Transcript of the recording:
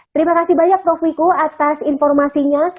terima kasih banyak prof wiku atas informasinya